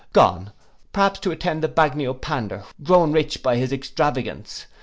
Gone, perhaps, to attend the bagnio pander, grown rich by his extravagance.